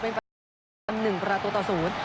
เป็นแปลงหนึ่งพมประตูต่อศูนย์